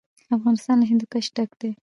افغانستان له هندوکش ډک دی.